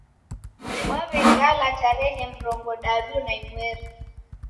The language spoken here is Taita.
Waw'egala tarehe murongodadu na imweri